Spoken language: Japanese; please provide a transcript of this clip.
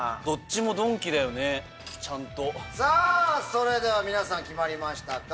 それでは皆さん決まりましたか？